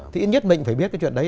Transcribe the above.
thì nhất mệnh phải biết cái chuyện đấy